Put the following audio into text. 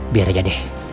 biar aja deh